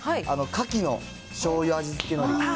かきのしょうゆ味付けのり。